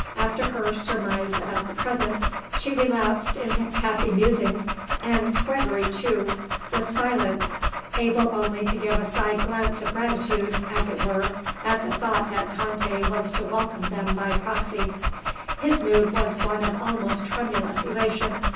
After her surmise about the present she relapsed into happy musings and Gregory, too, was silent, able only to give a side glance of gratitude, as it were, at the thought that Tante was to welcome them by proxy. His mood was one of almost tremulous elation.